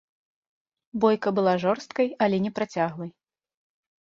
Бойка была жорсткай, але не працяглай.